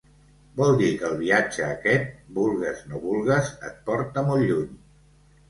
Vol dir que el viatge aquest, vulgues no vulgues, et porta molt lluny.